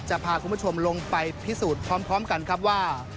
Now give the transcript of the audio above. จะพาคุณผู้ชมลงไปพิสูจน์พร้อมกันครับว่า